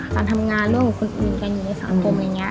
ตามทำงานเรื่องของคนอื่นกันอย่างนี้ในสังคมอย่างเงี้ย